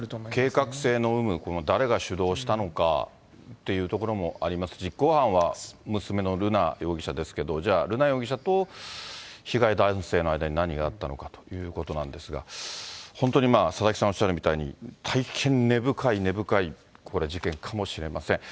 計画性の有無、この誰が主導したのかっていうところもありますし、は、娘の瑠奈容疑者ですけど、じゃあ瑠奈容疑者と被害男性の間に何があったのかということなんですが、本当に佐々木さんおっしゃるみたいに、大変根深い根深いこれ、事件かもしれません。